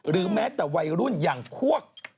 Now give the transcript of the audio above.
รู้ไม่แต่วัยรุ่นอย่างพวก